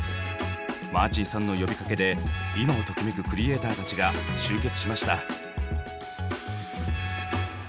マーチンさんの呼びかけで今をときめくクリエーターたちが集結しました。